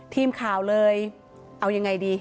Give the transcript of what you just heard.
ทีมข่าวเลยเอายังไงดี